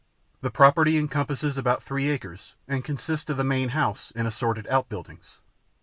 The property encompasses about three acres and consists of the main house and assorted outbuildings.